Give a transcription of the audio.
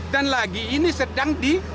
dan lagi ini sedang di